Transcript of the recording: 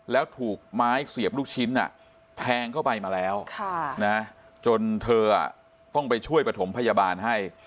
แล้วถูกไม้เสียบลูกชิ้นแทงเข้าไปมาแล้วจนเธอต้องไปช่วยประถมพยาบาลให้